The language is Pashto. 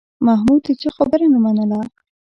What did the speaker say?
محمود د چا خبره نه منله